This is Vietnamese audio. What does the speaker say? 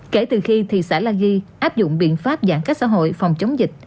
kể từ khi thị xã la ghi áp dụng biện pháp giãn cách xã hội phòng chống dịch